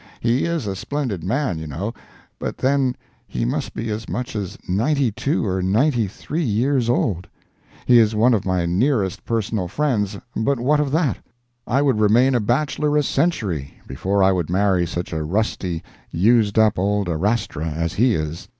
He is a splendid man, you know, but then he must be as much as 92 or 93 years old. He is one of my nearest personal friends, but what of that? I would remain a bachelor a century before I would marry such a rusty, used up old arastra as he is.